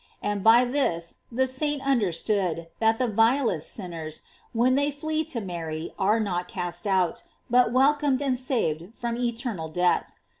And by this the saint under stood, that the vilest sinners, when they flee to Mary, are not cast out, but welcomed and saved from eternal death.